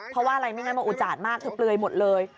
เพราะอะไรไม่งั้นมาอุจจารต์มากเธอเปลยหมดเลย